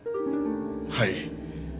はい。